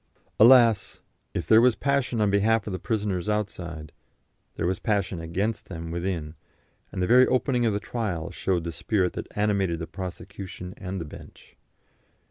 Alas! if there was passion on behalf of the prisoners outside, there was passion against them within, and the very opening of the trial showed the spirit that animated the prosecution and the bench.